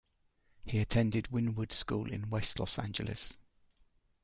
He attended Windward School in West Los Angeles.